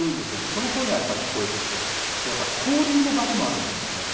その声がやっぱり聞こえてきて交流の場でもあるんですよね。